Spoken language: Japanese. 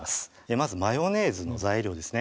まずマヨネーズの材料ですね